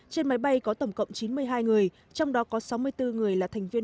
trên máy bay có tổng cộng chín mươi hai người trong đó có sáu mươi bốn người là thành viên